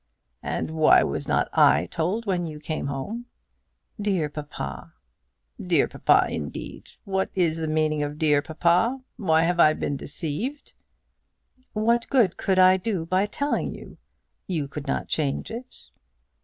"And why was not I told when you came home?" "Dear papa!" "Dear papa, indeed. What is the meaning of dear papa? Why have I been deceived?" "What good could I do by telling you? You could not change it."